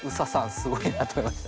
すごいなと思いました。